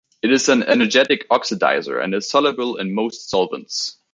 It is an energetic oxidizer, and is soluble in most solvents.